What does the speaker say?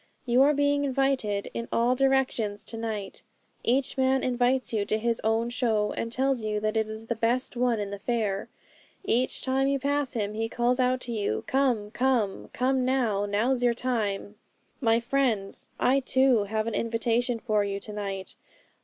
You are being invited in all directions to night. Each man invites you to his own show, and tells you that it is the best one in the fair. Each time you pass him, he calls out to you, "Come! come! Come now! Now's your time!" 'My friends, I too have an invitation for you to night.